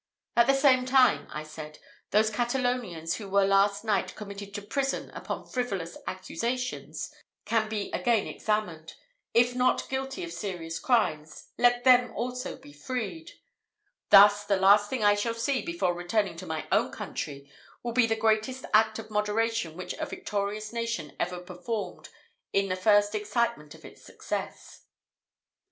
"At the same time," I said, "those Catalonians who were last night committed to prison upon frivolous accusations can be again examined. If not guilty of serious crimes, let them also be freed. Thus, the last thing I shall see, before returning to my own country, will be the greatest act of moderation which a victorious nation ever performed in the first excitement of its success."